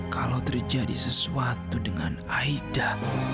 kalau terjadi sesuatu dengan aida